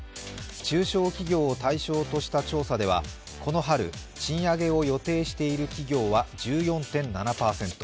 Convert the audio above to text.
中小企業を対象とした調査では、この春、賃上げを予定している企業は１４．７％。